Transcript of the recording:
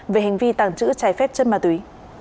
về hành vi tàng trữ trái phép chất ma túy